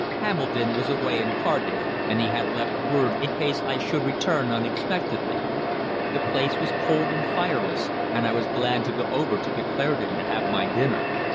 Hambledon was away in Cardiff, and he had left word in case I should return unexpectedly. The place was cold and fireless, and I was glad to go over to the Claredon to have my dinner.